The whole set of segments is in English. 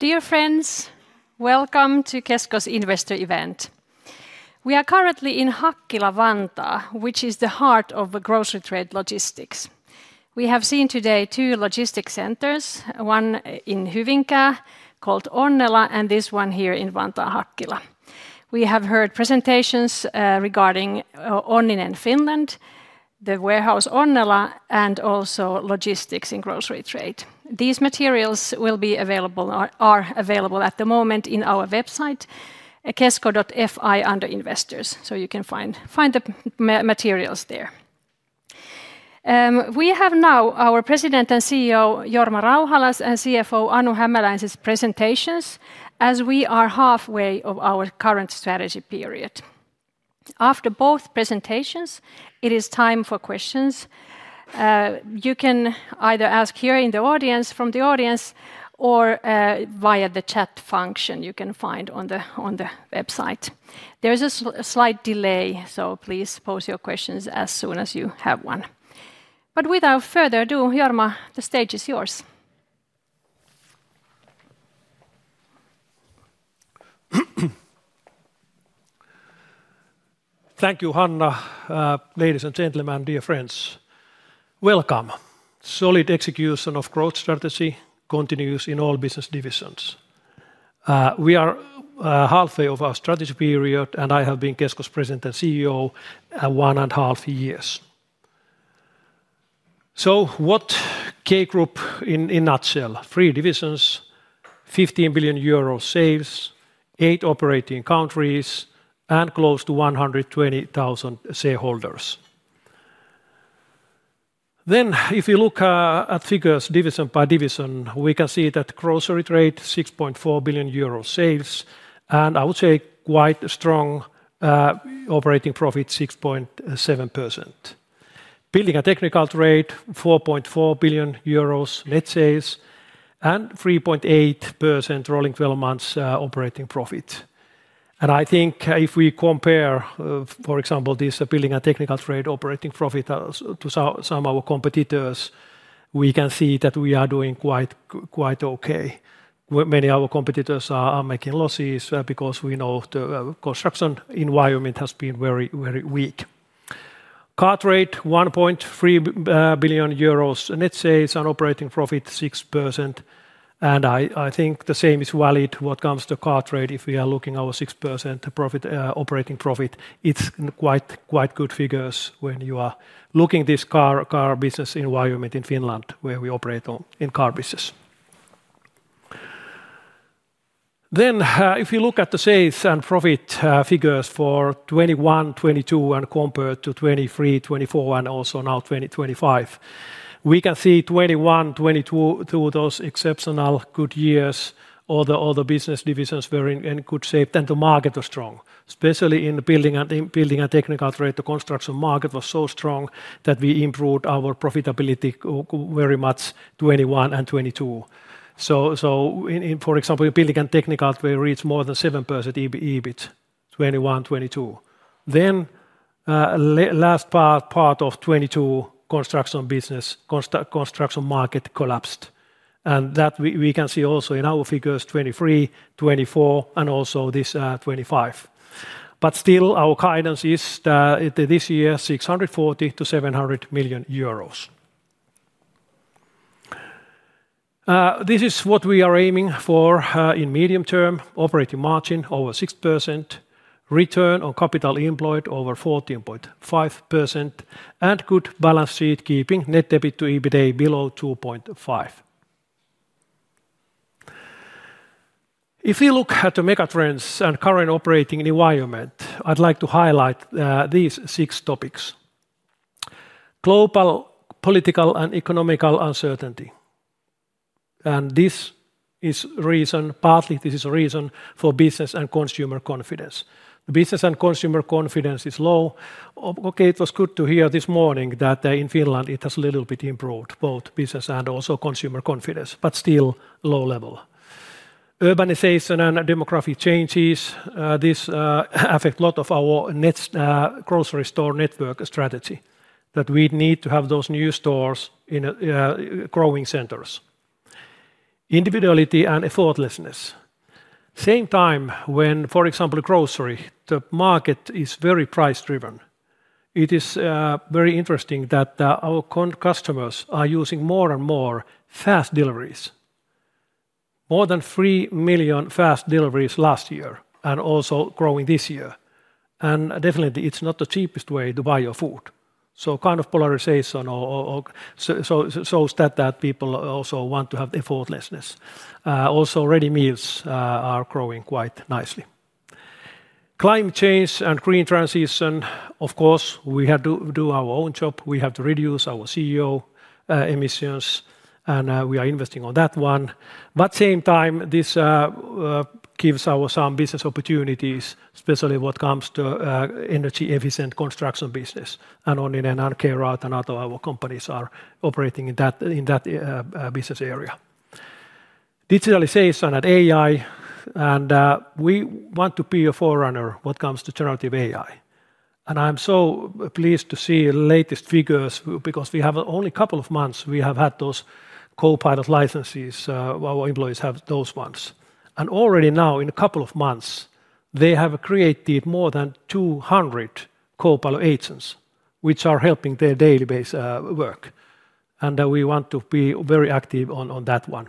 Dear friends, welcome to Kesko's Investor Event. We are currently in Hakkila, Vantaa, which is the heart of grocery trade logistics. We have seen today two logistics centers, one in Hyvinkää called Ornella and this one here in Vantaa, Hakkila. We have heard presentations regarding Ornella and Finland, the warehouse Ornella and also logistics in grocery trade. These materials will be available, are available at the moment, in our website kesko.fi under Investors, so you can find the materials there. We have now our President and CEO Jorma Rauhala's and CFO Anu Hämäläinen's presentations as we are halfway of our current strategy period. After both presentations, it is time for questions. You can either ask here in the audience or via the chat function you can find on the website. There is a slight delay, so please pose your questions as soon as you have one. Without further ado, Jorma, the stage is yours. Thank you, Hanna. Ladies and gentlemen, dear friends, welcome. Solid execution of growth strategy continues in all business divisions. We are halfway over our strategy period and I have been Kesko's President and CEO one and a half years. So what? K Group in nutshell, three divisions, €15 billion sales, eight operating countries and close to 120,000 shareholders. If you look at figures dividend by division, we can see that grocery trade €6.4 billion sales and I would say quite strong operating profit 6.7%. Building and technical trade €4.4 billion net sales and 3.8% rolling 12 months operating profit. I think if we compare for example this building and technical trade operating profit to some of our competitors, we can see that we are doing quite okay. Many of our competitors are making losses because we know the construction environment has been very, very weak. Car trade €1.3 billion net sales and operating profit 6%. I think the same is valid what comes to car trade. If we are looking over 6% operating profit, it's quite good figures when you are looking this car business environment in Finland, where we operate in car business. If you look at the sales and profit figures for 2021, 2022 and compared to 2023, 2024 and also now 2025, we can see 2021, 2022 those exceptional good years. All the other business divisions were in good shape and the market was strong, especially in building and technical trade. The construction market was so strong that we improved our profitability very much 2021 and 2022. For example, building and technical trade reached more than 7% EBIT 2021, 2022. Last part of 2022 construction business, construction market collapsed. That we can see also in our figures 2023, 2024 and also this 2025. Still our guidance is this year €640 million-€700 million. This is what we are aiming for in medium term. Operating margin over 6%, return on capital employed over 14.5% and good balance sheet keeping net debt to EBITDA below 2.5%. If we look at the megatrends and current operating environment, I'd like to highlight these six topics. Global political and economic uncertainty. This is reason partly this is a reason for business and consumer confidence. Business and consumer confidence is low. It was good to hear this morning that in Finland it has little bit improved both business and also consumer confidence, but still low level urbanization and demographic changes. This affects a lot of our grocery store network strategy that we need to have those new stores in growing centers. Individuality and effortlessness. At the same time, for example, grocery, the market is very price driven. It is very interesting that our customers are using more and more fast deliveries. More than 3 million fast deliveries last year and also growing this year. It's definitely not the cheapest way to buy your food. This kind of polarization shows that people also want to have effortlessness. Also, ready meals are growing quite nicely. Climate change and green transition. Of course, we have to do our own job. We have to reduce our CO2 emissions and we are investing in that one. At the same time, this gives us some business opportunities, especially when it comes to energy efficient construction business. Only then RK Route and other of our companies are operating in that business area. Digitalization and AI. We want to be a forerunner when it comes to generative AI. I'm so pleased to see latest figures because we have only a couple of months. We have had those copilot licenses. Our employees have those ones. Already now in a couple of months they have created more than 200 copilot agents which are helping their daily base work. We want to be very active on that one.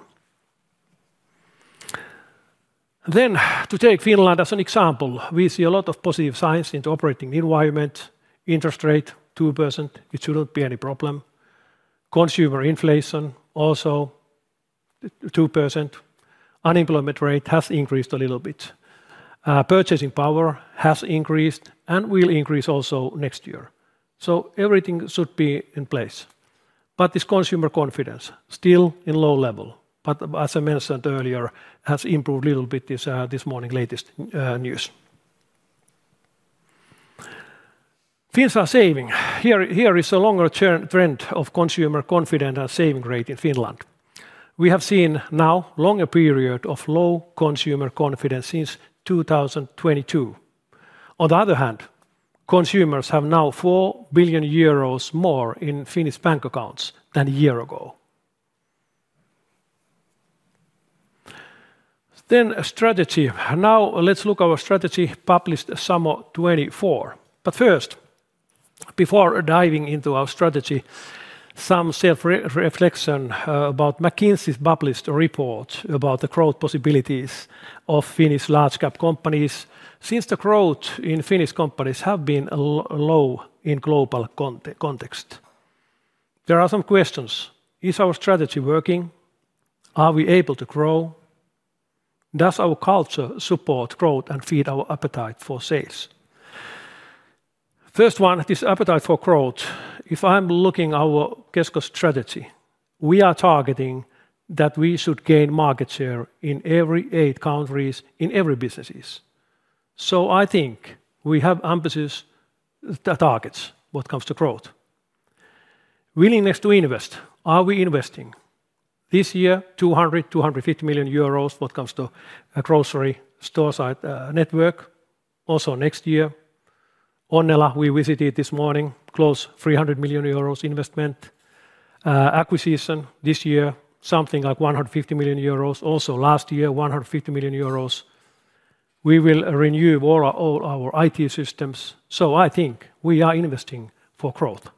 To take Finland as an example, we see a lot of positive signs in the operating environment. Interest rate 2%. It shouldn't be any problem. Consumer inflation also 2%. Unemployment rate has increased a little bit. Purchasing power has increased and will increase also next year. Everything should be in place, but this consumer confidence is still at a low level as I mentioned earlier, it has improved a little bit this morning latest news. Finns are saving. Here is a longer term trend of consumer confidence and saving rate in Finland. We have seen now a longer period of low consumer confidence since 2022. On the other hand, consumers have now €4 billion more in Finnish bank accounts than a year ago. Then strategy. Let's look at our strategy published Summer 2024. First, before diving into our strategy, some self-reflection about what McKinsey published about the growth possibilities of Finnish large cap companies. Since the growth in Finnish companies has been low in a global context, there are some questions. Is our strategy working? Are we able to grow? Does our culture support growth and feed our appetite for sales? First one, this appetite for growth. If I'm looking at our Kesko strategy, we are targeting that we should gain market share in every eight countries in every business. I think we have emphasis that targets what comes to growth. Willingness to invest. Are we investing? This year €200 million, €250 million when it comes to grocery store side network, also next year. Onela we visited this morning, close to €300 million investment. Acquisition this year, something like €150 million. Also last year, €150 million. We will renew all our IT systems. I think we are investing for growth.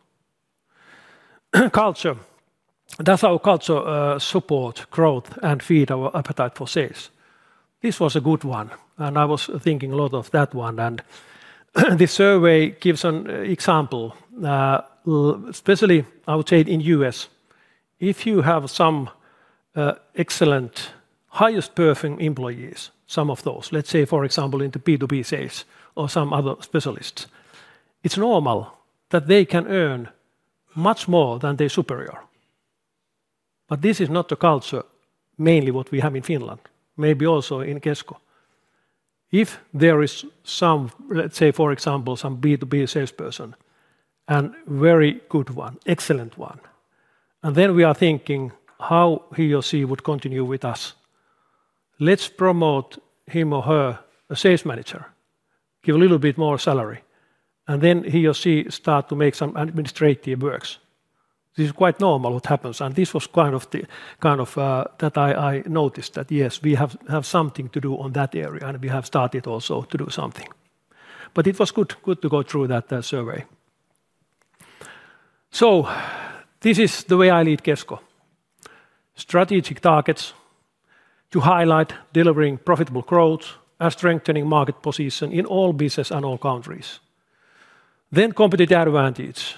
Culture. Does our culture support growth and feed our appetite for sales? This was a good one and I was thinking a lot of that one. This survey gives an example, especially I would say in U.S., if you have some excellent highest performing employees, some of those, let's say for example into B2B sales or some other specialists, it's normal that they can earn much more than their superior. This is not the culture mainly what we have in Finland, maybe also in Kesko if there is some. Let's say for example some B2B salesperson and very good one, excellent one. Then we are thinking how he or she would continue with us. Let's promote him or her to Sales Manager, give a little bit more salary and then he or she starts to make some administrative works. This is quite normal what happens. This was kind of the kind of that I noticed that yes, we have something to do on that area and we have started also to do something. It was good to go through that survey. This is the way I lead Kesko. Strategic targets to highlight delivering profitable growth and strengthening market position in all business and all countries. Competitive advantage,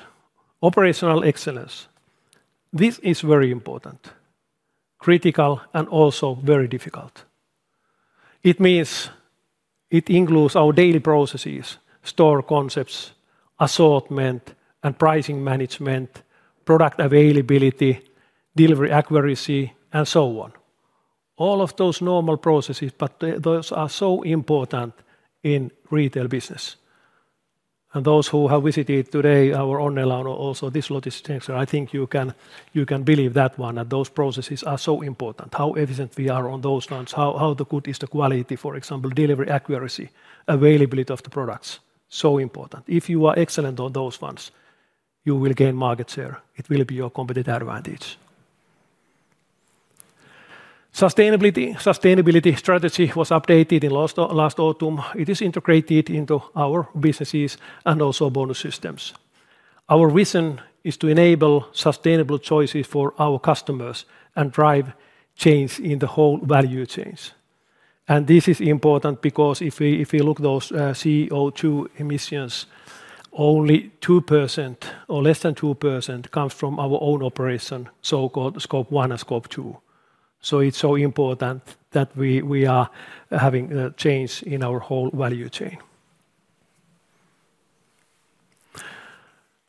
operational excellence. This is very important, critical and also very difficult. It means it includes our daily processes, store concepts, assortment and pricing, management, product availability, delivery accuracy, and so on. All of those normal processes, those are so important in retail business. Those who have visited today, our Onnela or also this logistics center, I think you can believe that one, that those processes are so important, how efficient we are on those functions, how good is the quality, for example, delivery accuracy, availability of the products, so important. If you are excellent on those ones, you will gain market share. It will be your competitive advantage. Sustainability. Sustainability strategy was updated in last autumn. It is integrated into our businesses and also bonus systems. Our vision is to enable sustainable choices for our customers and drive change in the whole value chains. This is important because if you look at those CO2 emissions, only 2% or less than 2% comes from our own operation, so-called scope one and scope two. It is so important that we are having change in our whole value chain.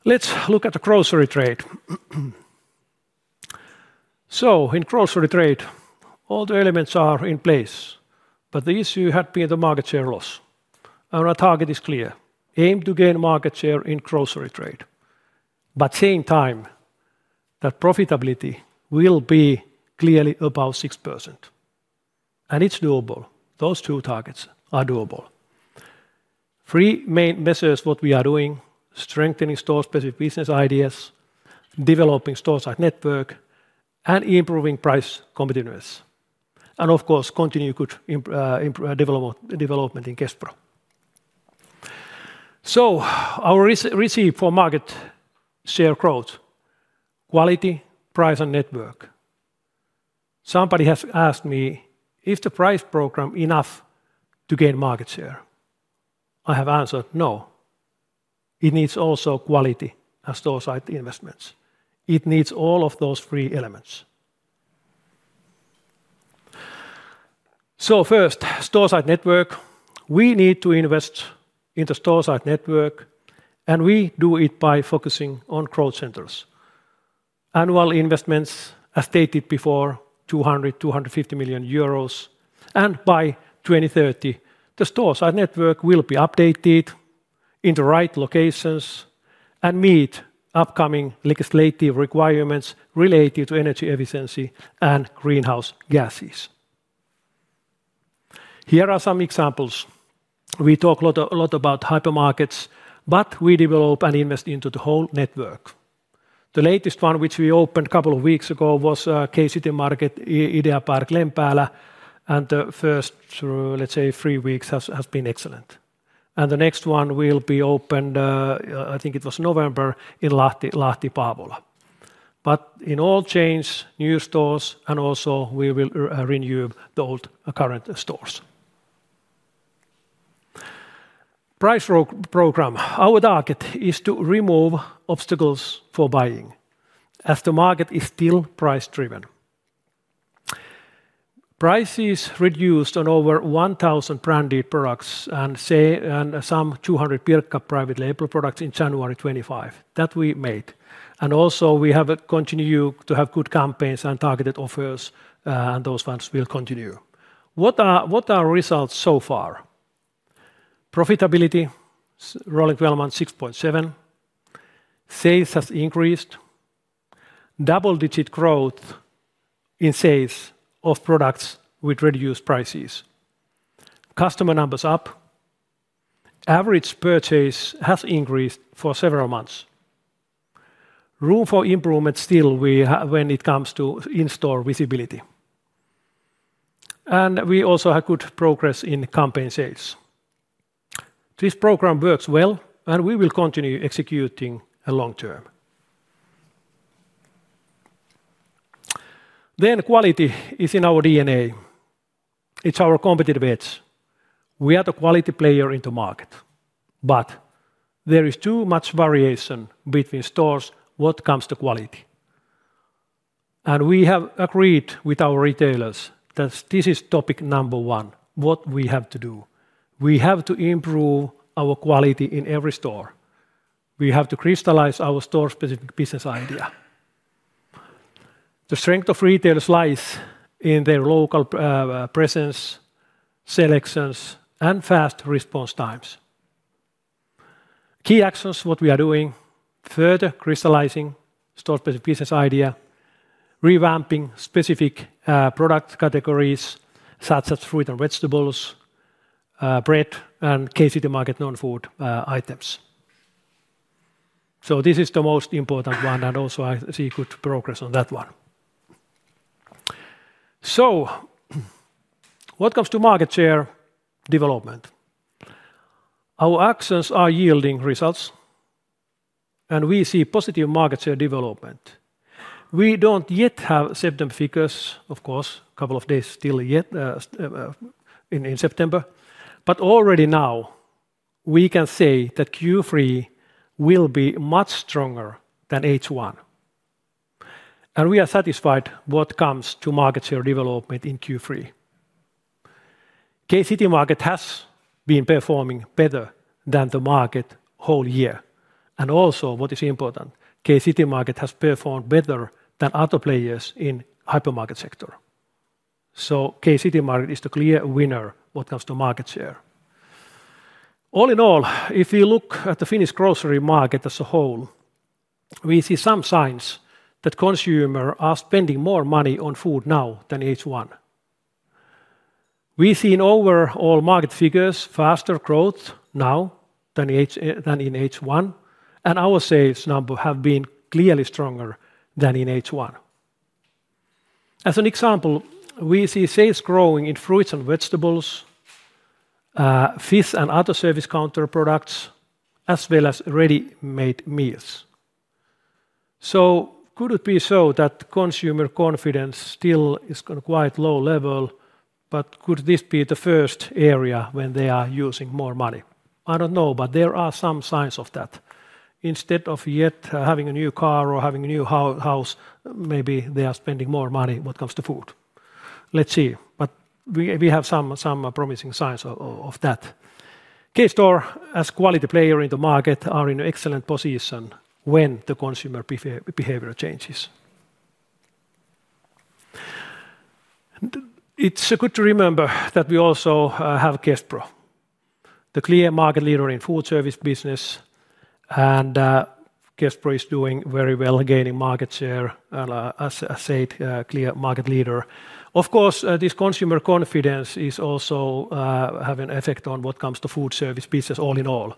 Let's look at the grocery trade. In grocery trade, all the elements are in place. The issue had been the market share loss. Our target is clear: aim to gain market share in grocery trade. At the same time, profitability will be clearly above 6% and it's doable. Those two targets are doable. Three main measures we are doing: strengthening store-specific business ideas, developing store site network, and improving price competitiveness. Of course, continue good development in QuestPro. Our receipt for market share growth: quality, price, and network. Somebody has asked me if the price program is enough to gain market share. I have answered no. It needs also quality and store site investments. It needs all of those three elements. First, store site network. We need to invest in the store site network. We do it by focusing on crowd centers, annual investments as stated before, €200 million– €250 million and by 2030, the store site network will be updated in the right locations and meet upcoming legislative requirements related to energy efficiency and greenhouse gases. Here are some examples. We talk a lot about hypermarkets, but we develop and invest into the whole network. The latest one which we opened a couple of weeks ago was K-Citymarket Ideapark Lempäälä. The first, let's say, three weeks has been excellent and the next one will be opened, I think it was November, in Lahti Paavola, but in all chains new stores and also we will renew the old current stores. Price program. Our target is to remove obstacles for buying as the market is still price driven. Prices reduced on over 1,000 branded products and some 200 Pirkka private label products in January 25th that we made. We have continued to have good campaigns and targeted offers and those funds will continue. What are results so far? Profitability rolling 12 months 6.7%. Sales has increased. Double-digit growth in sales of products with reduced prices. Customer numbers up. Average purchase has increased for several months. Room for improvement. Still, when it comes to in-store visibility, we also had good progress in campaign sales. This program works well, and we will continue executing long term. Quality is in our DNA. It's our competitive edge. We are a quality player in the market, but there is too much variation between stores when it comes to quality, and we have agreed with our retailers that this is topic number one. What we have to do? We have to improve our quality in every store. We have to crystallize our store-specific business idea. The strength of retailers lies in their local presence, selections, and fast response times. Key actions what we are doing include further crystallizing the store business idea, revamping specific products categories such as fruit and vegetables, bread, and K-Citymarket non-food items. This is the most important one, and I also see good progress on that one. Welcome to market share development. Our actions are yielding results, and we see positive market share development. We don't yet have September figures, of course, a couple of days still left in September. Already now, we can say that Q3 will be much stronger than H1, and we are satisfied when it comes to market share development in Q3. K-Citymarket has been performing better than the market the whole year and also what is important, K-Citymarket has performed better than other players in the hypermarket sector. K-Citymarket is the clear winner when it comes to market share. All in all, if you look at the Finnish grocery market as a whole, we see some signs that consumers are spending more money on food now than in H1. We see in overall market figures faster growth now than in H1, and our sales numbers have been clearly stronger than in H1. As an example, we see sales growing in fruits and vegetables, fish, and other service counter products as well as ready-made meals. Could it be that consumer confidence still is at quite a low level, but could this be the first area where they are using more money? I don't know, but there are some signs of that. Instead of yet having a new car or having a new house, maybe they are spending more money when it comes to food. Let's see. We have some promising signs of that. Kesko as a quality player in the market is in an excellent position when consumer behavior changes. It's good to remember that we also have Kespro, the clear market leader in the food service business. Kespro is doing very well, gaining market share, and as I said, is the clear market leader. Of course, this consumer confidence is also having an effect on what comes to food service business, all in all.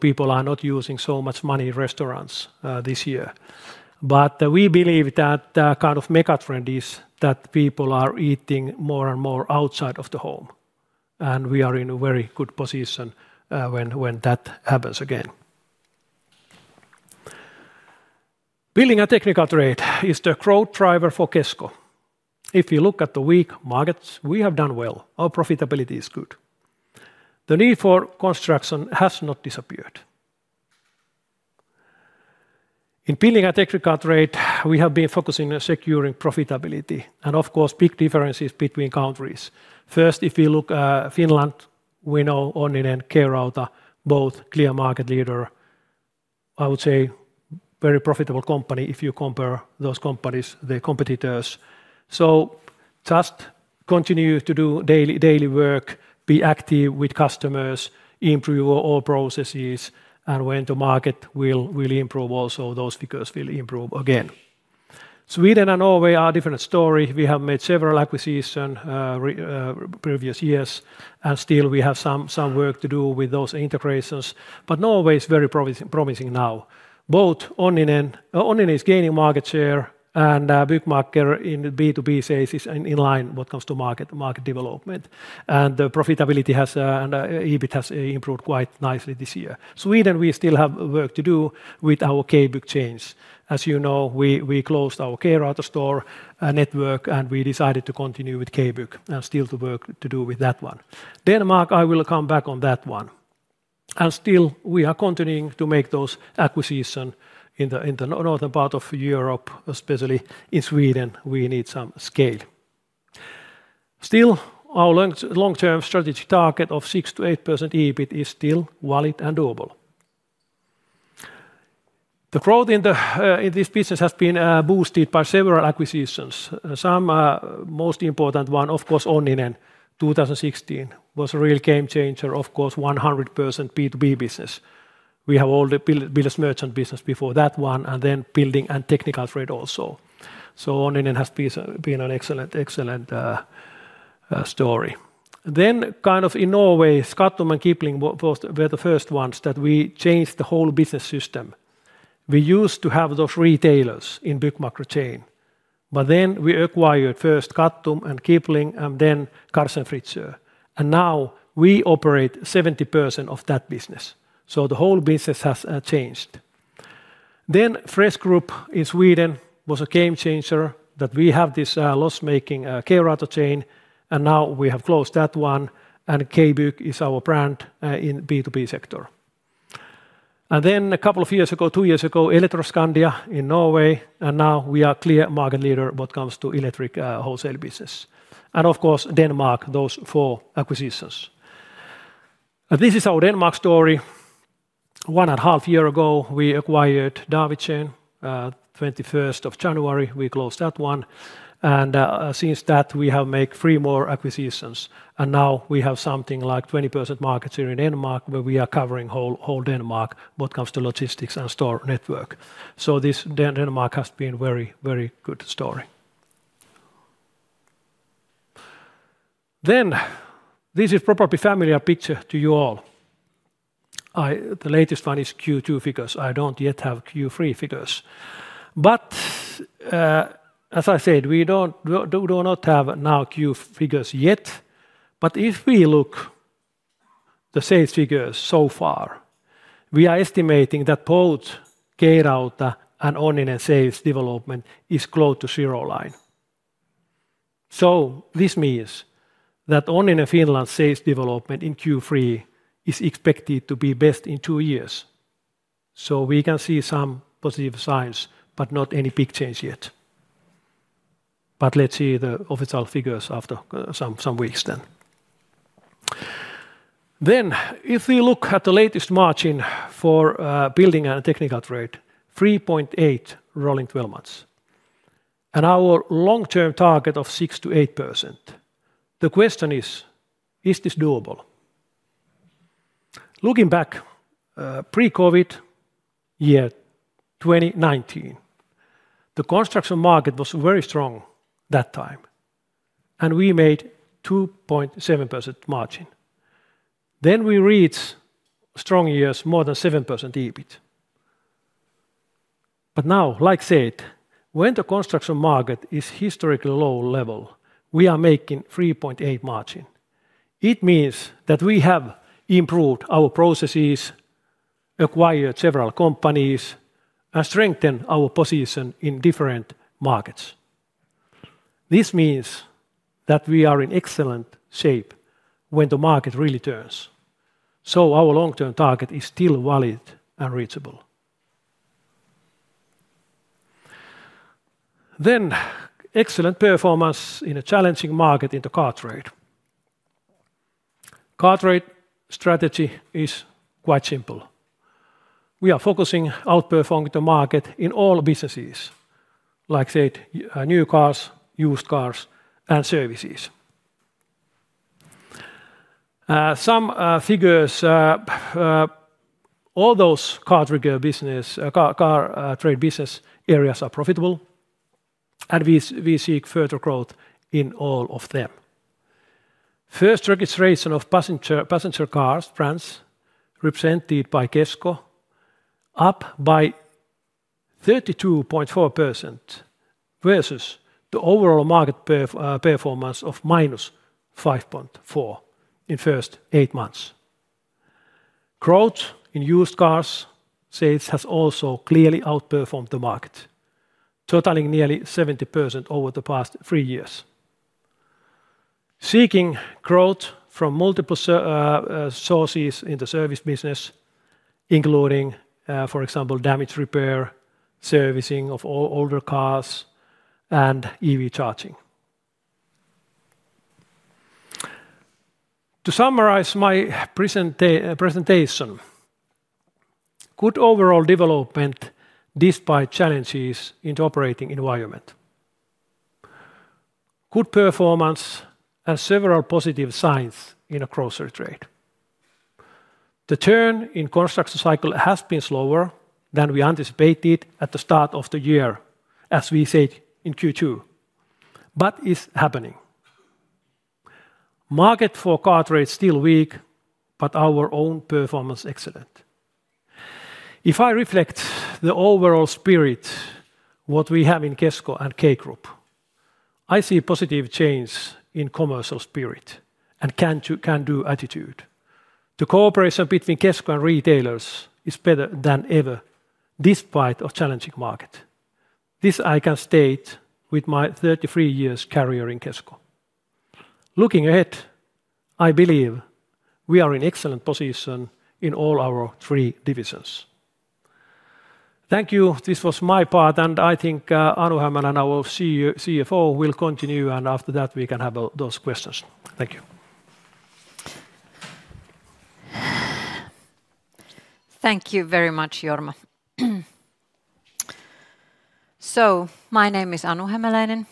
People are not using so much money in restaurants this year, but we believe that kind of megatrend is that people are eating more and more outside of the home, and we are in a very good position when that happens again. Building and technical trade is the growth driver for Kesko. If you look at the weak markets, we have done well, our profitability is good. The need for construction has not disappeared. In Finland at extreme rate, we have been focusing on securing profitability, and of course, big differences between countries. First, if you look at Finland, we know Onninen and K-Rauta are both clear market leaders. I would say very profitable company, if you compare those companies, they're competitors, so just continue to do daily work, be active with customers, improve all processes, and when the market will improve, also those figures will improve again. Sweden and Norway are different story. We have made several acquisitions previous years, and still we have some work to do with those integrations, but Norway is very promising now. Both Onninen is gaining market share and Byggmakker in B2B sales is in line when it comes to market development, and the profitability has, and EBIT has improved quite nicely this year. Sweden, we still have work to do with our K-Bygg chains. As you know, we closed our K-Rauta store and network and we decided to continue with K-Bygg, and still the work to do with that one. Denmark, I will come back on that one. Still, we are continuing to make those acquisitions in the northern part of Europe, especially in Sweden, we need some scale. Still, our long-term strategy target of 6%-8% EBIT is still valid and doable. The growth in this business has been boosted by several acquisitions. Some most important one, of course, Onninen 2016 was a real game changer, of course, 100% B2B business. We have all the builders merchant business before that one, and then building and technical trade also. Onninen has been an excellent, excellent story. Then, kind of in Norway, Skattum and Gipling were the first ones that we changed the whole business system. We used to have those retailers in Byggmakker chain, but then we acquired first Skattum and Gipling and then Carlsen Fritzøe, and now we operate 70% of that business. The whole business has changed. Then Fresh Group in Sweden was a game changer, that we had this loss-making Keratoc chain and now we have closed that one and K. Buek is our brand in the B2B sector. A couple of years ago, two years ago, Electroskandia in Norway, and now we are clear market leader when it comes to electric wholesale business, and of course, Denmark, those four acquisitions. This is our Denmark story. One and a half years ago, we acquired Darwichain. January 21st, we closed that one and since that we have made three more acquisitions and now we have something like 20% market share in Denmark where we are covering whole Denmark when it comes to logistics and store network. So Denmark has been a very, very good story. Then this is probably a familiar picture to you all. The latest one is Q2 figures. I don't yet have Q3 figures. But as I said, we do not have Q figures yet. If we look at the sales figures so far, we are estimating that both K Route and Onna sales development is close to zero like. This means that Onna and Finland sales development in Q3 is expected to be best in two years. We can see some positive signs, but not any big change yet but let's see the official figures after some weeks now. If we look at the latest margin for building and technical trade, 3.8 rolling 12 months, and our long-term target of 6%-8%, the question is, is this doable? Looking back, pre-COVID, year 2019, the construction market was very strong that time and we made 2.7% margin. We reached strong years, more than 7% EBIT, but now, like said, when the construction market is at a historically low level, we are making 3.8 margin. It means that we have improved our processes, acquired several companies, and strengthened our position in different markets. This means that we are in excellent shape when the market really turns, so our long-term target is still valid and reachable. Excellent performance in a challenging market in the car trade. Car trade strategy is quite simple. We are focusing on outperforming the market in all businesses, like said, new cars, used cars, and services. Some figures: all those car trade business areas are profitable and we seek further growth in all of them. First registration of passenger cars, France represented by Kesko, up by 32.4% versus the overall market performance of -5.4% in the first eight months. Growth in used car sales has also clearly outperformed the market, totaling nearly 70% over the past three years. Seeking growth from multiple sources in the service business including, for example, damage repair, servicing of older cars, and EV charging. To summarize my presentation, good overall development despite challenges in the operating environment. Good performance has several positive signs in car sale trade. The turn in construction cycle has been slower than we anticipated at the start of the year, as we said in Q2, but is happening. Market for car trade still weak, but our own performance excellent. If I reflect the overall spirit, what we have in Kesko and K Group, I see positive change in commercial spirit and can-do attitude. The cooperation between Kesko and retailers is better than ever despite a challenging market. This I can state with my 33 years career in Kesko. Looking ahead, I believe we are in excellent position in all our three divisions. Thank you. This was my part, and I think Anu Hämäläinen, our CFO, will continue. After that, we can have those questions. Thank you. Thank you very much Jorma. My name is Anu Hämäläinen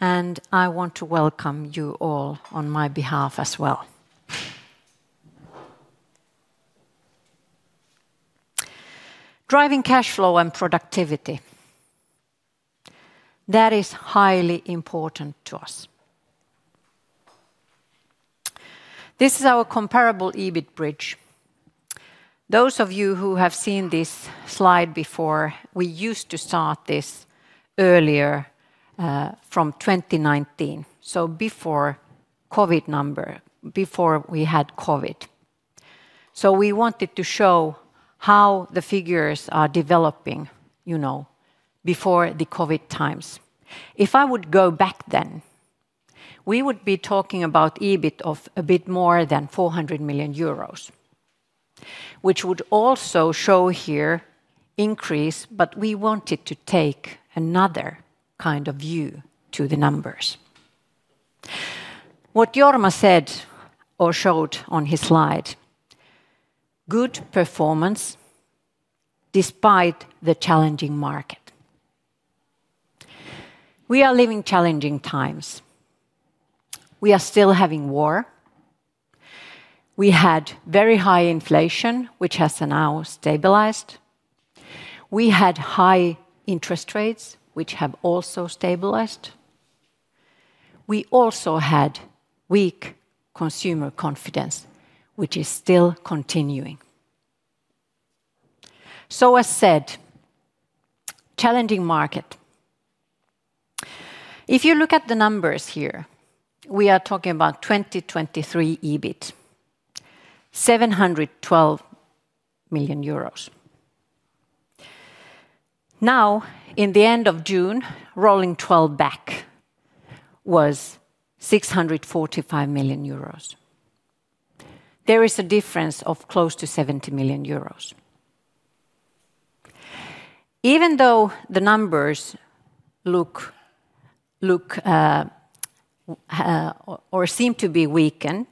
and I want to welcome you all on my behalf as well. Driving cash flow and productivity. That is highly important to us. This is our comparable EBIT bridge. Those of you who have seen this slide before, we used to start this earlier from 2019, before COVID, before we had COVID. We wanted to show how the figures are developing, before the COVID times. If I would go back, then we would be talking about EBIT of a bit more than €400 million, which would also show here increase but we wanted to take another kind of view to the numbers. What Jorma said or showed on his slide, good performance despite the challenging market. We are living in challenging times. We are still having war. We had very high inflation, which has now stabilized. We had high interest rates, which have also stabilized. We also had weak consumer confidence, which is still continuing. As said, challenging market. If you look at the numbers here, we are talking about 2023 EBIT, €712 million. Now, in the end of June, rolling 12 back was €645 million. There is a difference of close to €70 million. Even though the numbers look or seem to be weakened,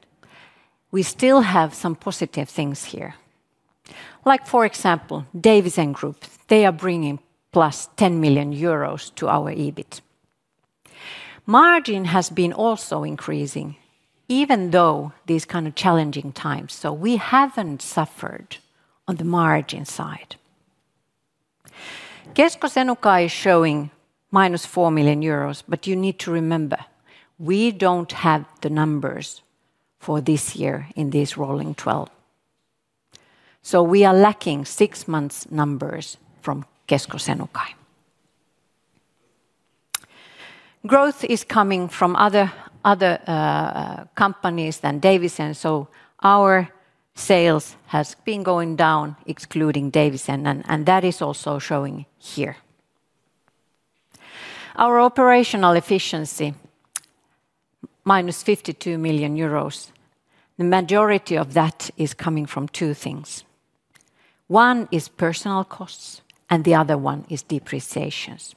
we still have some positive things here. Like for example, Davison Group, they are bringing +€10 million to our EBIT. Margin has been also increasing even though these kind of challenging times, so we haven't suffered on the margin side. Kesko Senukai is showing -€4 million, but you need to remember we don't have the numbers for this year in this rolling 12, so we are lacking six months numbers from Kesko Senukai. Growth is coming from other companies than Davison. Our sales has been going down excluding Davidsen, and that is also showing here. Our operational efficiency -€52 million. The majority of that is coming from two things. One is personnel costs and the other one is depreciations.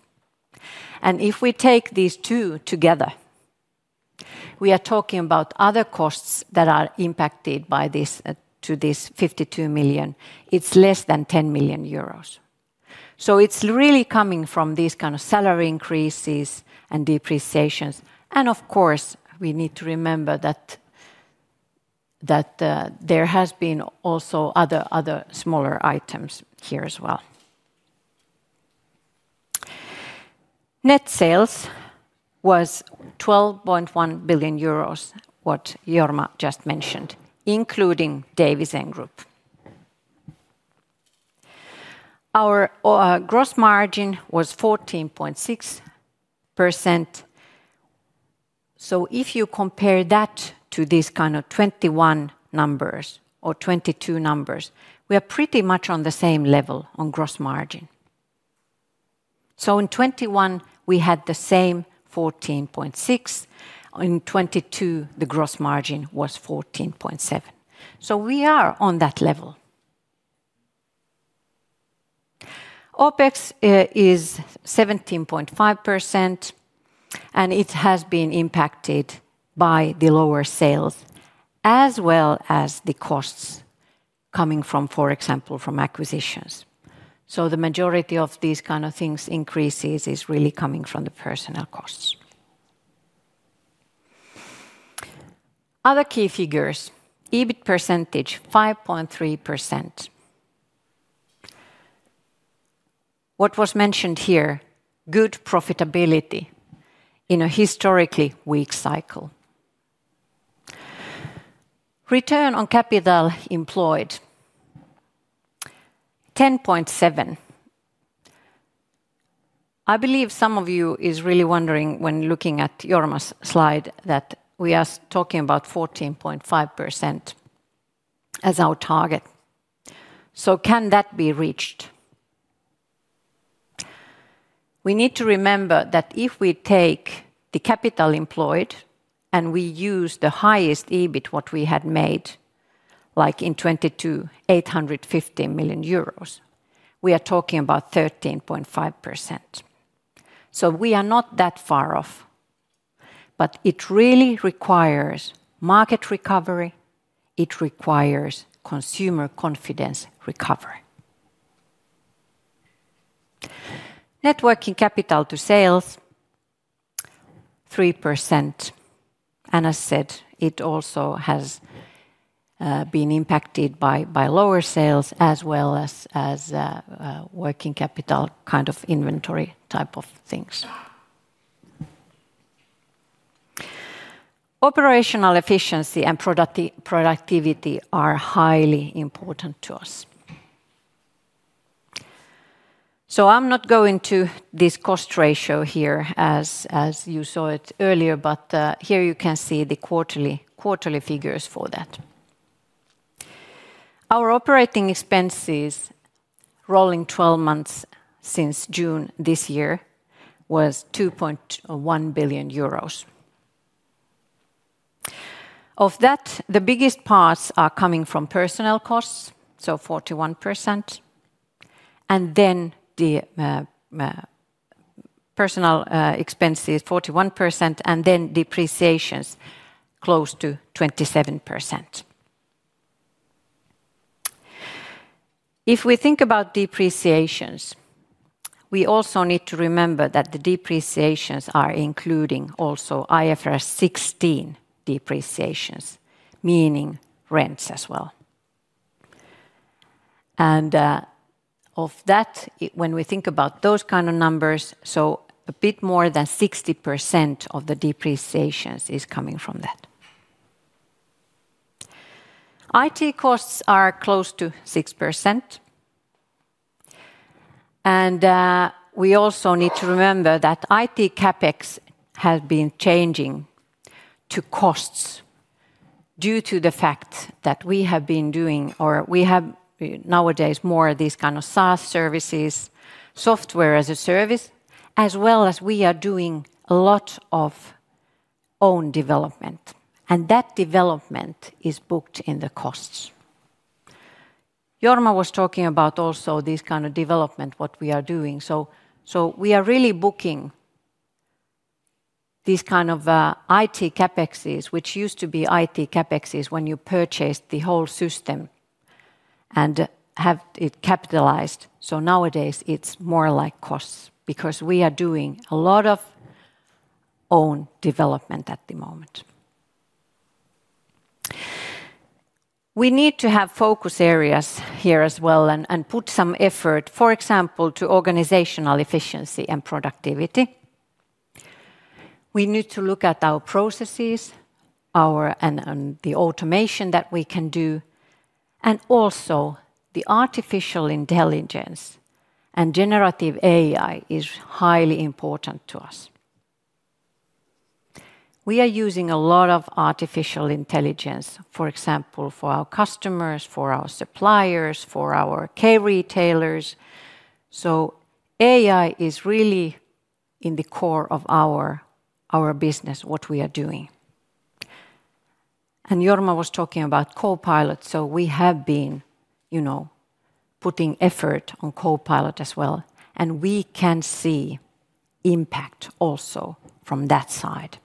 If we take these two together, we are talking about other costs that are impacted by this, to this €52 million, it's less than €10 million. It's really coming from these kind of salary increases and depreciations, and of course, we need to remember that there has been also other smaller items here as well. Net sales was €12.1 billion, what Jorma just mentioned, including Davidsen Group. Our gross margin was 14.6%, so if you compare that to these kind of 2021 numbers or 2022 numbers, we are pretty much on the same level on gross margin. In 2021, we had the same 14.6%. In 2022 the gross margin was 14.7%. We are on that level. OpEx is 17.5% and it has been impacted by the lower sales as well as the costs coming from, for example, from acquisitions. The majority of these kinds of increases is really coming from the personnel costs. Other key figures: EBIT percentage 5.3%. What was mentioned here, good profitability in a historically weak cycle. Return on capital employed 10.7%. I believe some of you are really wondering when looking at Jorma's slide that we are talking about 14.5% as our target. Can that be reached? We need to remember that if we take the capital employed and we use the highest EBIT, what we had made like in 2022, €850 million, we are talking about 13.5%. We are not that far off. It really requires market recovery, it requires consumer confidence recovery. Net working capital to sales 3%. As said, it also has been impacted by lower sales as well as working capital, kind of inventory type of things. Operational efficiency and productivity are highly important to us. I'm not going to this cost ratio here as you saw it earlier, but here you can see the quarterly figures for that. Our operating expenses rolling 12 months since June this year was €2.1 billion. Of that, the biggest parts are coming from personnel costs, so 41%. The personnel expenses 41% and then depreciations close to 27%. If we think about depreciations, we also need to remember that the depreciations are including also IFRS 16 depreciations, meaning rents as well. Of that, when we think about those kinds of numbers, a bit more than 60% of the depreciations is coming from that. IT costs are close to 6% and we also need to remember that IT CapEx has been changing to costs due to the fact that we have been doing or we have nowadays more of these kinds of SaaS services, Software as a Service, as well as we are doing a lot of own development and that development is booked in the costs. Jorma was talking about also this kind of development, what we are doing. We are really booking these kinds of IT CapExes, which used to be IT CapExes when you purchased the whole system and have it capitalized, so nowadays it's more like costs because we are doing a lot of own development at the moment. We need to have focus areas here as well and put some effort, for example, to organizational efficiency and productivity. We need to look at our processes and the automation that we can do and also the artificial intelligence and generative AI is highly important to us. We are using a lot of artificial intelligence, for example, for our customers, for our suppliers, for our K retailers. AI is really in the core of our business, what we are doing. Jorma was talking about Copilot. We have been putting effort on Copilot as well, and we can see impact also from that side.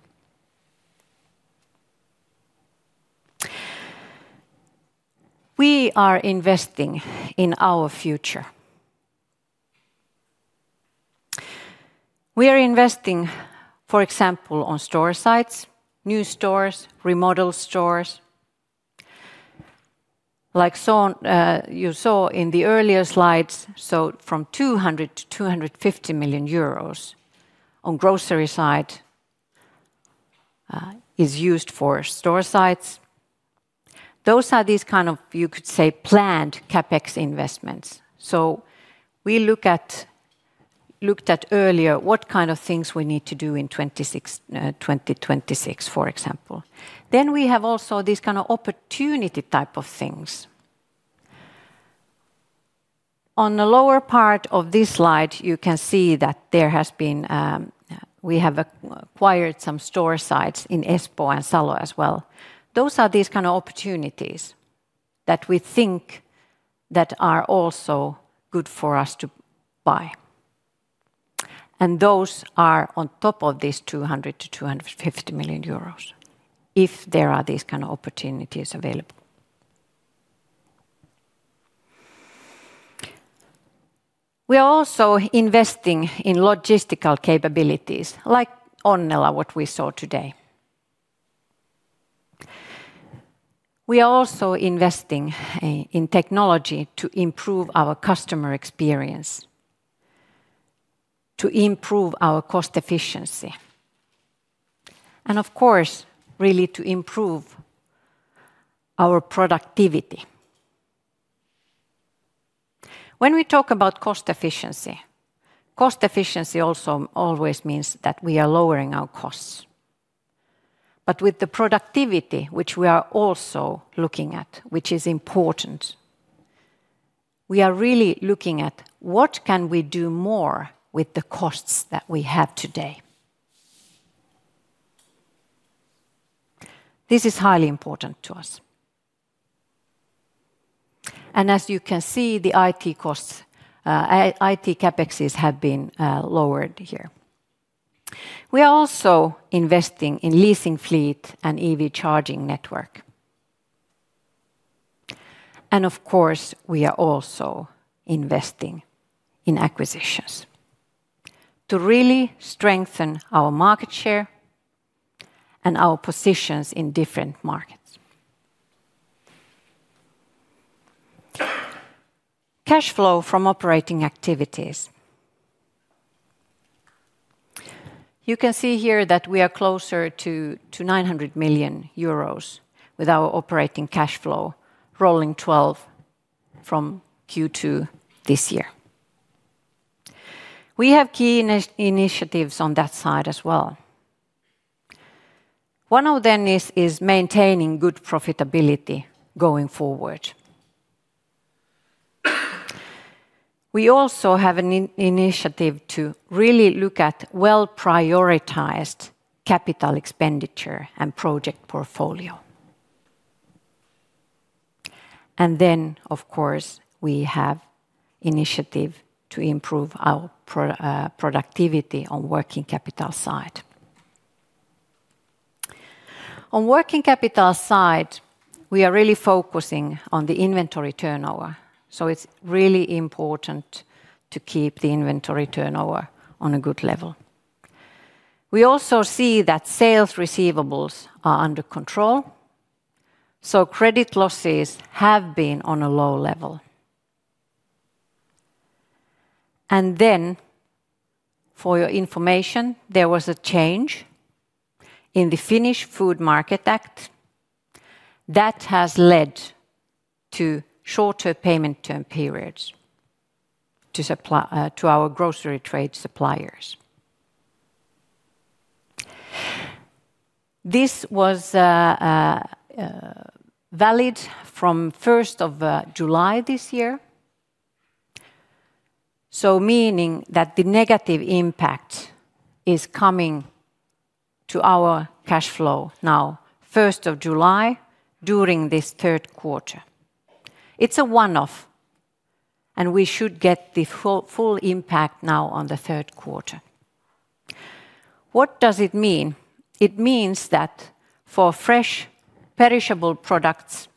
We are investing in our future. We are investing, for example, on store sites, new stores, remodel stores, like you saw in the earlier slides. From €200 million-€250 million on grocery site is used for store sites. Those are these kind of, you could say, planned CapEx investments. We looked at earlier what kind of things we need to do in 2026, for example. Then we have also these kind of opportunities, opportunity type of things. On the lower part of this slide, you can see that there has been, we have acquired some store sites in Espoo and Salo as well. Those are these kind of opportunities that we think that are also good for us to buy, and those are on top of this €200 million-€250 million if there are these kind of opportunities available. We are also investing in logistical capabilities like Onnela, what we saw today. We are also investing in technology to improve our customer experience, to improve our cost efficiency, and of course really to improve our productivity. When we talk about cost efficiency, cost efficiency also always means that we are lowering our costs. But with the productivity, which we are also looking at, which is important, we are really looking at what can we do more with the costs that we have today. This is highly important to us. As you can see, the IT CapExes have been lowered here. We are also investing in leasing, fleet, and EV charging network. Of course, we are also investing in acquisitions to really strengthen our market share and our positions in different markets. Cash flow from operating activities. You can see here that we are closer to €900 million with our operating cash flow rolling 12 from Q2 this year. We have key initiatives on that side as well. One of them is maintaining good profitability going forward. We also have an initiative to really look at well-prioritized capital expenditure and project portfolio. Of course, we have initiative to improve our productivity on working capital side. On working capital side, we are really focusing on the inventory turnover. It's really important to keep the inventory turnover on a good level. We also see that sales receivables are under control, so credit losses have been on a low level. For your information, there was a change in the Finnish Food Market Act that has led to shorter payment term periods to our grocery trade suppliers. This was valid from July 1st, 2023. This means that the negative impact is coming to our cash flow now, July 1st, during this third quarter, it's a one-off and we should get the full impact now on the third quarter. What does it mean? It means that for fresh perishable products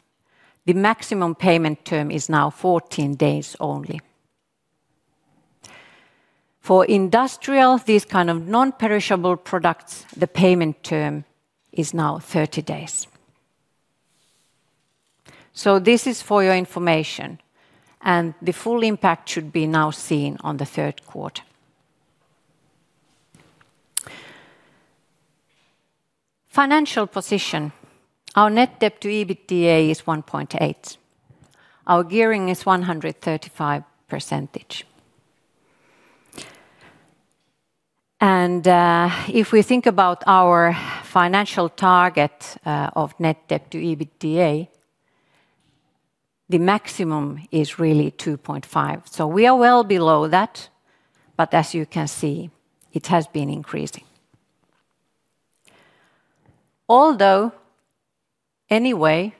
the maximum payment term is now 14 days only. For industrial, these kind of non-perishable products, the payment term is now 30 days. This is for your information and the full impact should be now seen on the third quarter. Financial position. Our net debt to EBITDA is 1.8. Our gearing is 135%. If we think about our financial target of net debt to EBITDA, the maximum is really 2.5. We are well below that. As you can see, it has been increasing. Anyway,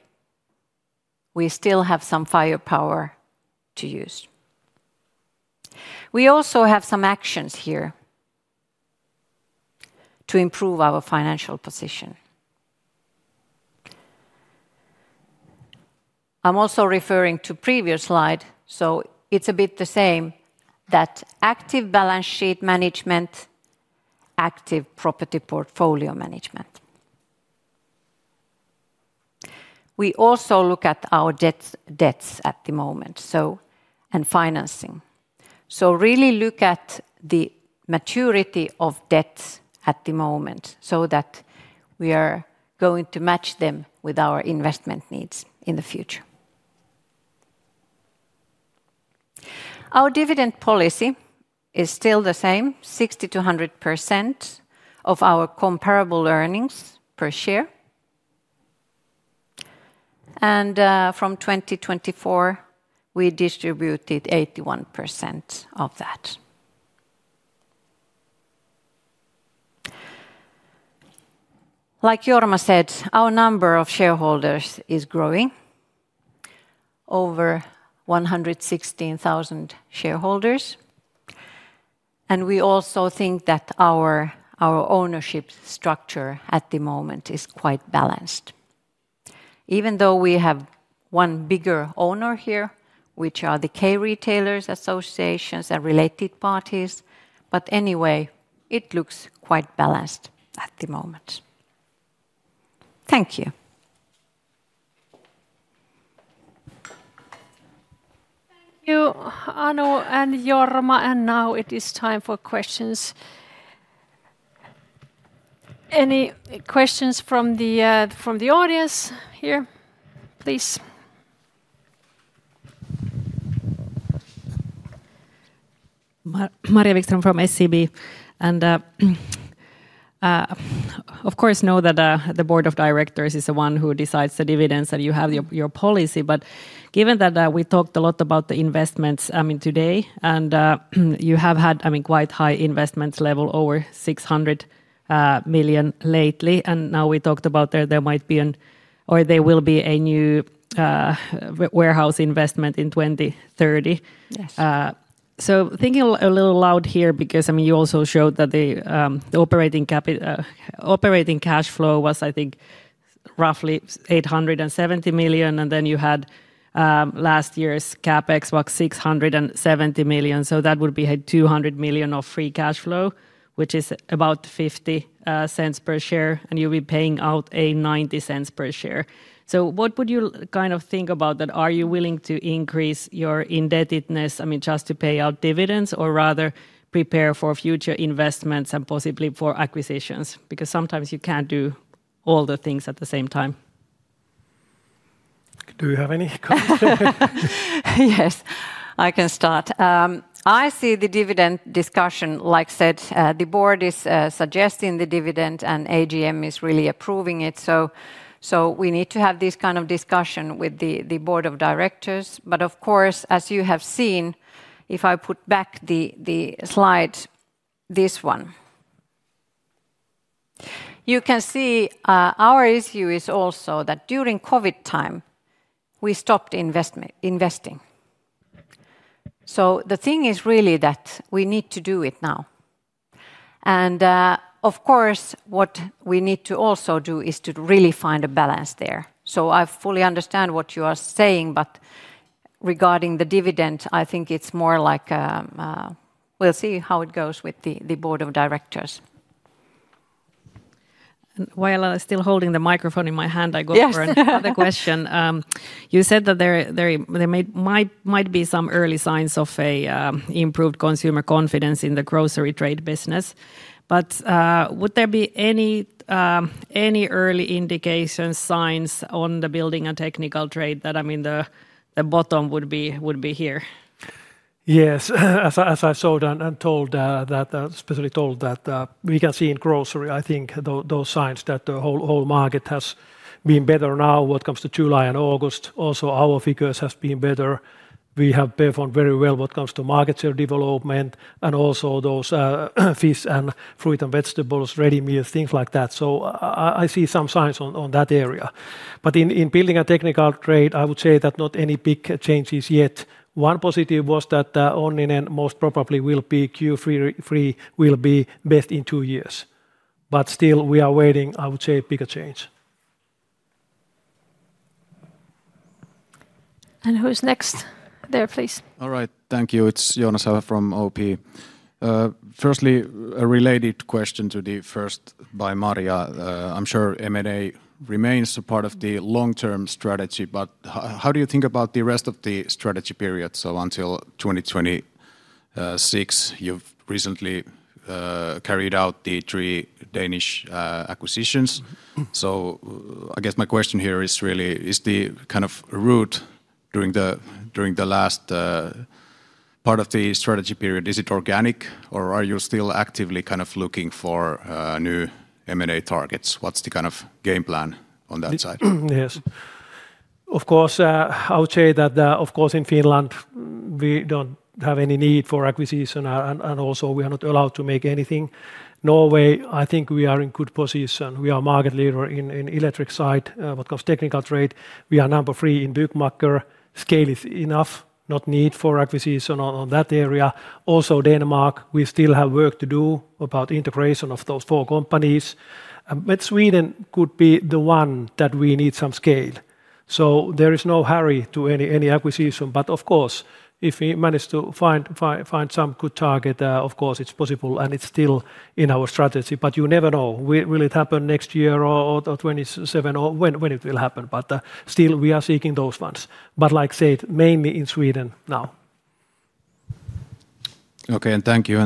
we still have some firepower to use. We also have some actions here to improve our financial position. I'm also referring to the previous slide, so it's a bit the same, that active balance sheet management, active property portfolio management. We also look at our debts at the moment and financing. We really look at the maturity of debts at the moment so that we are going to match them with our investment needs in the future. Our dividend policy is still the same, 60%–100% of our comparable earnings per share. From 2024, we distributed 81% of that. Like Jorma said, our number of shareholders is growing, over 116,000 shareholders. We also think that our ownership structure at the moment is quite balanced. Even though we have one bigger owner here, which are the K retailers, associations and related parties, but anyway, it looks quite balanced at the moment. Thank you. Thank you Anu and Jorma. Now it is time for questions. Any questions from the audience here, please? Maria Wikström from SEB. Of course, know that the Board of Directors is the one who decides the dividends, that you have your policy, but given that we talked a lot about the investments today and you have had quite high investment levels, over €600 million lately, and now we talked about there might be or there will be a new warehouse investment in 2030. Thinking a little loud here because you also showed that the operating cash flow was, I think, roughly €870 million, and then you had last year's CapEx was €670 million, that would be €200 million of free cash flow, which is about €0.50 per share, and you'll be paying out €0.90 per share. What would you kind of think about that? Are you willing to increase your indebtedness just to pay out dividends, or rather prepare for future investments and possibly for acquisitions? Sometimes you can't do all the things at the same time. Do you have any? Yes, I can start. I see the dividend discussion, like said, the board is suggesting the dividend and AGM is really approving it. We need to have this kind of discussion with the Board of Directors. Of course, as you have seen, if I put back the slide, this one, you can see our issue is also that during COVID time we stopped investing. The thing is really that we need to do it now. Of course, what we need to also do is to really find a balance there. I fully understand what you are saying but regarding the dividend, I think it's more like we'll see how it goes with the Board of Directors. While I am still holding the microphone in my hand, I go for another question. You said that there might be some early signs of improved consumer confidence in the grocery trade business. Would there be any early indications or signs on the building and technical trade that the bottom would be here? Yes, as I showed and told, especially told that we can see in grocery, I think those signs that the whole market has been better. Now, what comes to July and August, also our figures have been better. We have performed very well when it comes to market share development, and also those fish and fruit and vegetables, ready meal, things like that. I see some signs on that area. In building and technical trade, I would say that not any big changes yet. One positive was that most probably Q2 to Q3 will be best in two years. Still, we are waiting, I would say pick a change. Who's next there, please? All right, thank you. It's Joonas Häyhä from OP. Firstly, a related question to the first by Maria. I'm sure M&A remains part of the long term strategy. How do you think about the rest of the strategy period? Until 2026, you've recently carried out the three Danish acquisitions. I guess my question here is really, is the kind of route during the last part of the strategy period organic, or are you still actively kind of looking for new M&A targets? What's the kind of game plan on that side? Yes, of course. I would say that of course in Finland we don't have any need for acquisition. Also, we are not allowed to make anything. Norway, I think we are in good position. We are market leader in electric side because in technical trade we are number three in Birchmarker. Scale is enough, not need for acquisition on that area. Also, Denmark, we still have work to do about integration of those four companies. Sweden could be the one that we need some scale. There is no hurry to any acquisition. Of course, if we manage to find some good target, of course it's possible and it's still in our strategy. You never know will it happen next year or 2027 or when it will happen. Still, we are seeking those funds. Like said, mainly in Sweden now. Okay, thank you.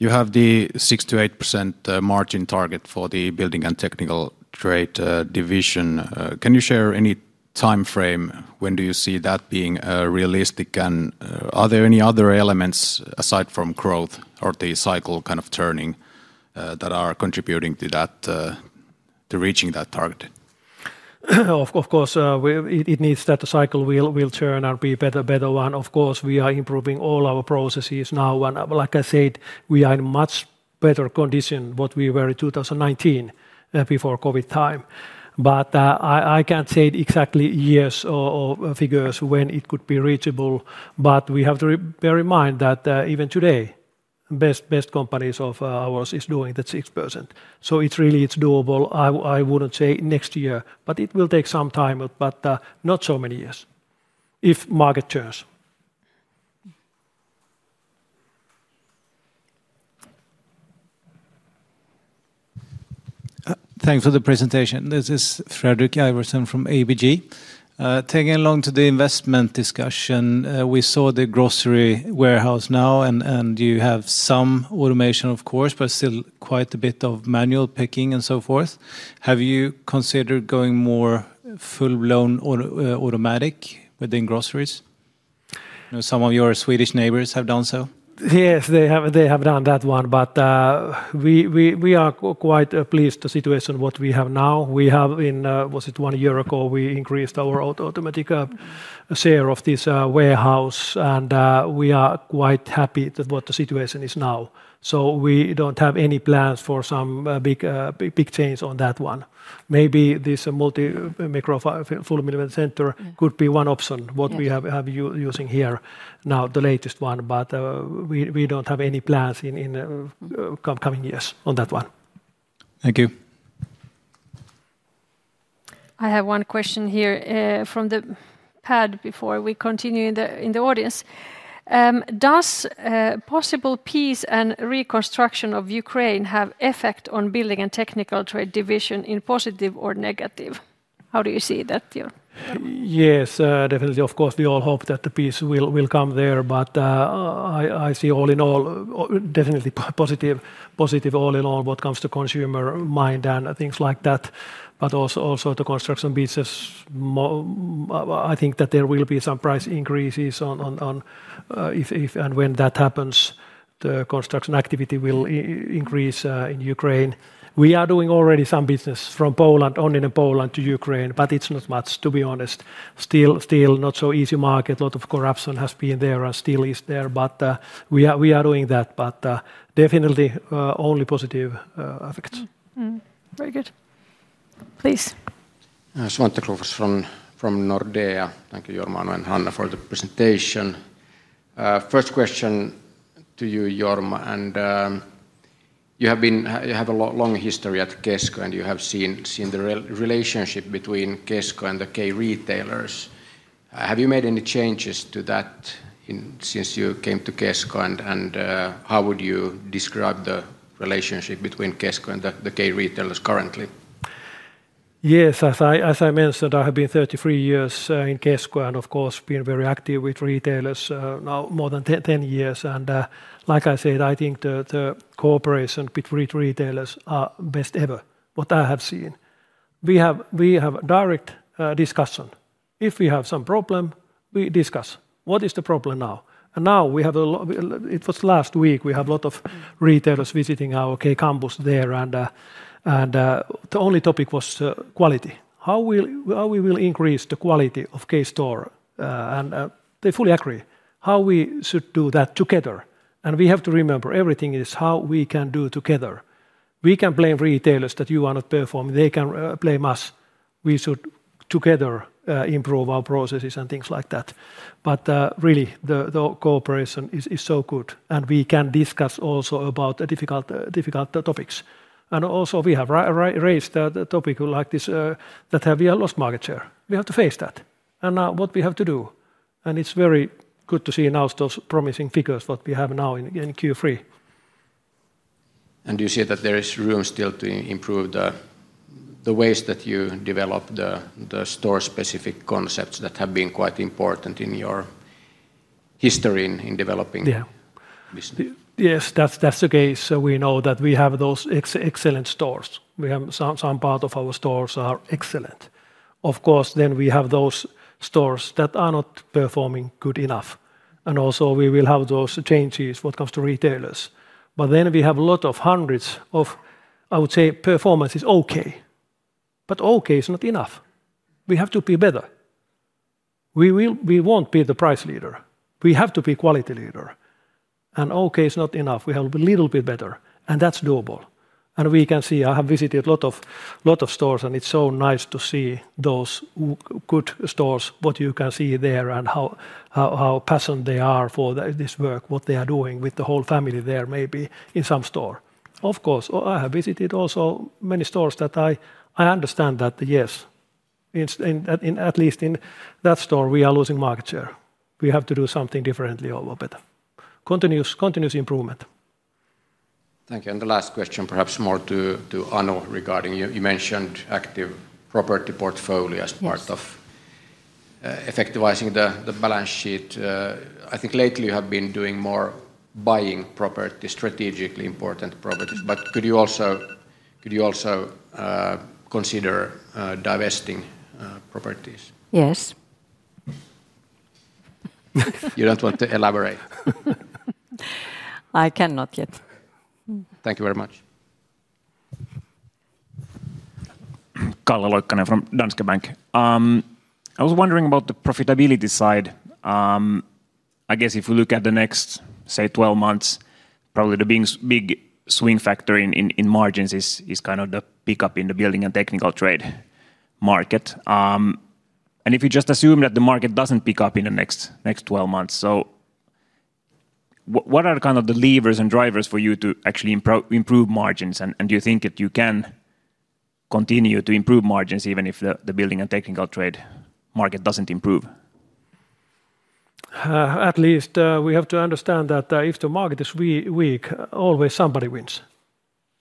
You have the 6%-8% margin target for the building and technical trade division. Can you share any top time frame? When do you see that being realistic? Are there any other elements aside from growth or the cycle kind of turning that are contributing to that, to reaching that target? Of course, it needs that the cycle will turn and be better and better one. Of course we are improving all our processes now. Like I said, we are in much better condition than we were in 2019, before COVID time. I can't say exactly years or figure when it could be reachable. We have to bear in mind that even today best, best companies of ours is doing the 6%. It's really doable. I wouldn't say next year, it will take some time, but not so many years if market turns. Thanks for the presentation. This is Fredrik Ivarsson from ABG. Taking along to the investment discussion. We saw the grocery warehouse now and you have some automation of course, but still quite a bit of manual picking and so forth. Have you considered going more full-blown automatic within groceries? Some of your Swedish neighbors have done so. Yes, they have done that one. We are quite pleased with the situation we have now. Was it one year ago we increased our automatic share of this warehouse, and we are quite happy with what the situation is now. We don't have any plans for some big change on that one. Maybe this multi-micro-fulfillment center could be one option we have using here now, the latest one, but we don't have any plans in coming years on that one. Thank you. I have one question here from the pad before we continue in the audience. Does possible peace and reconstruction of Ukraine have effect on building and technical trade division in positive or negative? How do you see that? Yes, definitely. Of course we all hope that the peace will come there. I see, all in all, definitely positive, all in all what comes to consumer mind and things like that. Also to construct on business, I think that there will be some price increases, and when that happens the construction activity will increase in Ukraine. We are doing already some business from Poland, in Poland to Ukraine, but it's not much to be honest. Still not so easy market. A lot of corruption has been there and still is there. We are doing that, but definitely only positive effects. Very good, please. Svante Krokfors from Nordea. Thank you Jorma and Hanna for the presentation. First question to you, Jorma, and you have a long history at Kesko and you have seen the relationship between Kesko and the K retailers. Have you made any changes to that since you came to Kesko? How would you describe the relationship between Kesko and the K retailers currently? Yes, as I mentioned, I have been 33 years in Kesko and of course been very active with retailers now more than 10 years. Like I said, I think the cooperation between retailers is best ever, what I have seen. We have direct discussion, if we have some problem, we discuss what is the problem now. Last week we had a lot of retailers visiting our K campus there and the only topic was quality, how we will increase the quality of K store. They fully agree how we should do that together. We have to remember everything is how we can do together. We can blame retailers that you are not performing, they can blame us. We should together improve our processes and things like that. The cooperation is so good and we can discuss also about difficult topics. We have raised the topic like this that have lost market share. We have to face that. Now what we have to do and it's very good to see now those promising figures what we have now in Q3. And you see that there is room still to improve the ways that you develop the store specific concepts that have been quite important in your history in developing? Yes, that's the case. We know that we have those excellent stores. We have some part of our stores are excellent. Of course, we have those stores that are not performing good enough. We will have those changes when it comes to retailers. We have a lot of hundreds of, I would say, performance is okay, but okay is not enough. We have to be better. We won't be the price leader. We have to be quality leader. Okay is not enough. We have a little bit better and that's doable. We can see. I have visited a lot of stores and it's so nice to see those good stores, what you can see there and how passionate they are for this work, what they are doing with the whole family there maybe in some store. Of course, I have visited also many stores that I understand that yes, at least in that store we are losing market share. We have to do something differently, although continuous improvement. Thank you. The last question, perhaps more to Anu regarding you mentioned active property portfolio as part of effectivizing the balance sheet. I think lately you have been doing more buying property, strategically important property. Could you also consider divesting properties? Yes. You don't want to elaborate? I cannot yet. Thank you very much. Calle Loikkanen from Danske Bank. I was wondering about the profitability side. I guess if we look at the next, say, 12 months, probably the big swing factor in margins is kind of the pickup in the building and technical trade market. If you just assume that the market doesn't pick up in the next 12 months, what are the levers and drivers for you to actually improve margins? Do you think that you can continue to improve margins even if the building and technical trade market doesn't improve? At least we have to understand that if the market is weak, always somebody wins.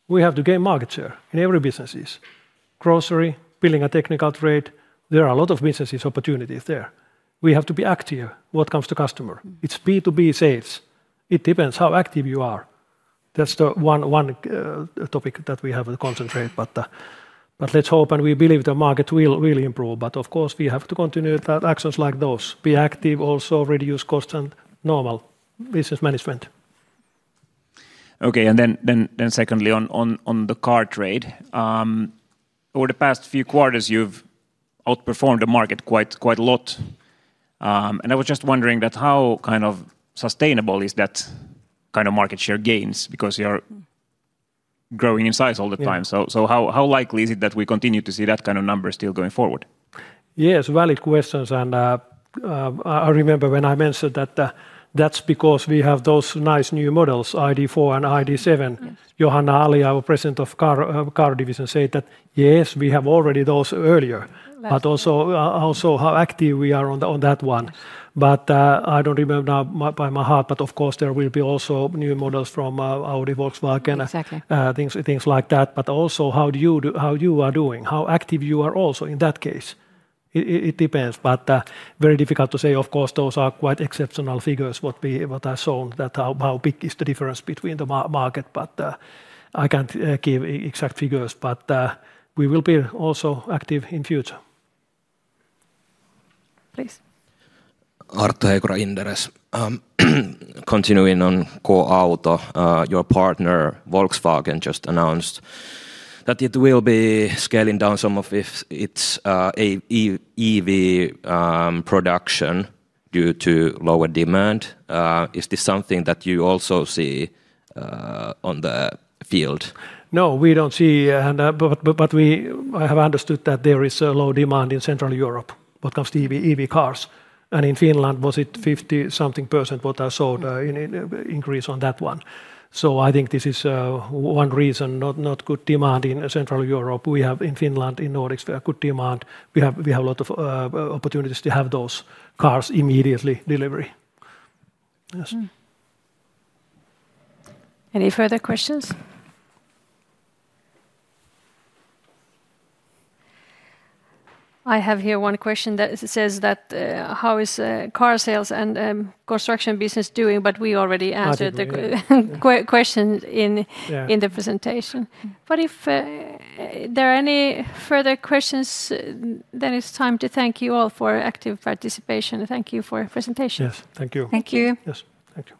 We have to gain market share in every business: grocery, building and technical trade. There are a lot of business opportunities there. We have to be active when it comes to customer, it's B2B sales. It depends how active you are. That's the one topic that we have to concentrate on but we hope and we believe the market will improve. Of course, we have to continue actions like those, be active, also reduce costs, and normal business management. Okay. Secondly, on the car trade, over the past few quarters you've outperformed the market quite a lot. I was just wondering how kind of sustainable is that kind of market share gains because you're growing in size all the time. How likely is it that we continue to see that kind of number still going forward? Yes, valid questions. I remember when I mentioned that. That's because we have those nice new models, ID4 and ID7. Johanna Ali, our President of Car Division, said that yes, we have already those earlier. Also, how active we are on that one. I don't remember now by my heart. Of course, there will be also new models from Audi, Volkswagen, exactly, things like that. Also, how you are doing, how active you are also in that case, it depends, very difficult to say. Of course, those are quite exceptional figures. What I shown is how big is the difference between the market, but I can't give exact figures. We will be also active in future. Please. Arttu Heikura, Inderes. Continuing on car auto. Your partner Volkswagen just announced that it will be scaling down some of its EV production due to lower demand. Is this something that you also see on the field? No, we don't see. I have understood that there is a low demand in Central Europe when it comes to EV cars. In Finland, was it 50 something percent what I saw increase on that one. I think this is one reason, not good demand in Central Europe. We have in Finland, and in Nordics, where good demand we have. We have a lot of opportunities to have those cars immediately delivery. Any further questions? I have here one question that says that how is car sales and construction business doing? We already answered the question in the presentation. If there are any further questions, it's time to thank you all for active participation. Thank you for your presentation. Yes, thank you. Thank you. Yes, thank you.